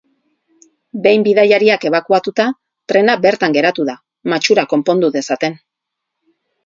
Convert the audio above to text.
Behin bidaiariak ebakuatuta, trena bertan geratu da, matxura konpondu dezaten.